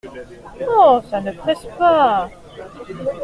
Oh ! ça ne presse pas !…